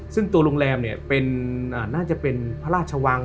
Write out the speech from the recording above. ซึ่งตัวโรงแรมน่าจะเป็นพระราชวัง